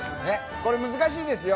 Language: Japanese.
これ難しいですよ。